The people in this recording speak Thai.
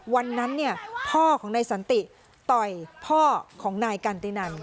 วันนั้นพ่อของนายสันติต่อยพ่อของนายกันตินัน